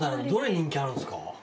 どれ人気あるんですか？